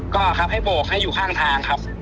ก็ครับให้โบกให้อยู่ข้างทางครับ